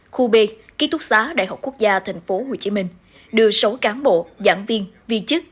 khu b ký túc xá đại học quốc gia tp hcm đưa sáu cán bộ giảng viên chức